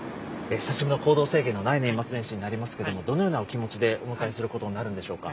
久しぶりの行動制限のない年末年始になりますけれども、どのようなお気持ちでお迎えすることになるんでしょうか。